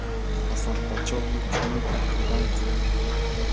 qasapachawmi chunuta ruranchik.